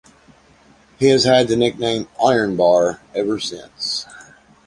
He has had the nickname "Ironbar" ever since.